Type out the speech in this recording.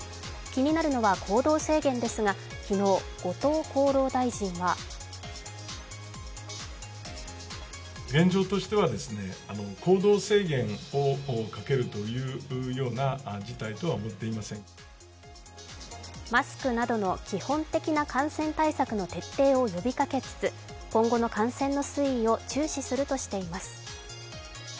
気になるのは行動制限ですが、昨日後藤厚労大臣はマスクなどの基本的な感染対策の徹底を呼びかけつつ今後の感染の推移を注視するとしています。